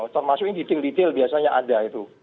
termasuknya detail detail biasanya ada itu